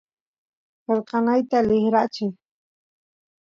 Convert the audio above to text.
qelqanayta tikracheq